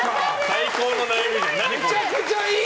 最高の悩みじゃん、何これ。